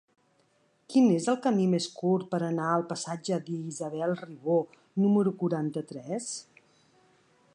Quin és el camí més curt per anar al passatge d'Isabel Ribó número quaranta-tres?